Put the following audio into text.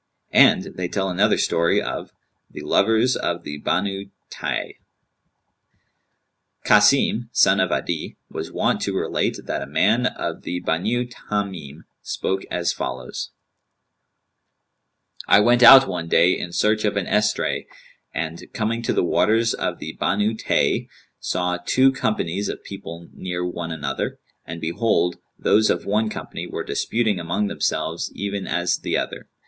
[FN#196] And they tell another story of THE LOVERS OF THE BANU TAYY. Kαsim, son of Adi, was wont to relate that a man of the Banϊ Tamνm spake as follows: "I went out one day in search of an estray and, coming to the waters of the Banu Tayy, saw two companies of people near one another, and behold, those of one company were disputing among themselves even as the other.